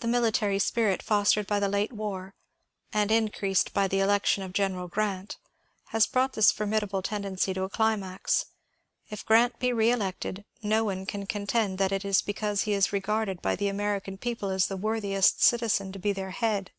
The military spirit fostered by the late war, and increased by the election of General Grant, has brought this formidable tendency to a climax. If Grrant be reelected, no one can contend that it is because he is regarded by the American people as the worthiest citizen to be their head.